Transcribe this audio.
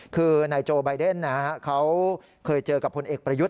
คือในโจไบเดนนะครับเขาเคยเจอกับผลเอกประยุทธ์